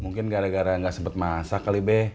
mungkin gara gara gak sempet masak kali be